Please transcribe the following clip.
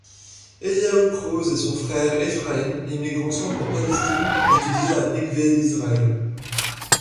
Eliahou Krauze et son frère Ephraïm émigrent ensemble en Palestine étudier à Mikvé-Israël.